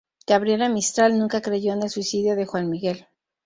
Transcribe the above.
Gabriela Mistral nunca creyó en el suicidio de Juan Miguel.